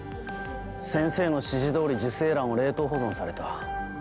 先生の指示通り受精卵は冷凍保存された。